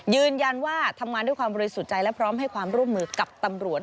ยืนยันว่าทำงานด้วยความบริสุทธิ์ใจและพร้อมให้ความร่วมมือกับตำรวจ